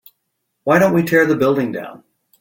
why don't we tear the building down?